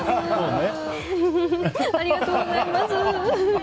ありがとうございます。